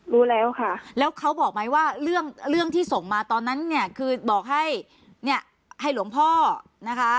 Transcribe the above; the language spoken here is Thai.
รู้แล้วค่ะแล้วเขาบอกไหมว่าเรื่องเรื่องที่ส่งมาตอนนั้นเนี่ยคือบอกให้เนี่ยให้หลวงพ่อนะคะ